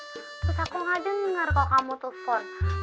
terus aku gak denger kalau kamu telepon